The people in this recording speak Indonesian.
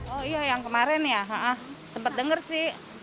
oh iya yang kemarin ya sempat denger sih